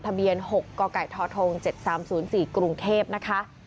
ทะเบียน๖กกทท๗๓๐๔กรุงเทพนะคะ